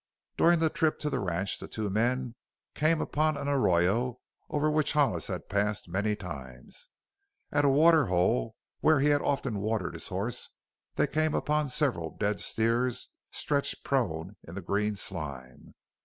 During the trip to the ranch the two men came upon an arroyo over which Hollis had passed many times. At a water hole where he had often watered his horse they came upon several dead steers stretched prone in the green slime.